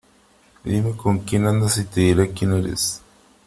Dime con quién andas y te diré quién eres.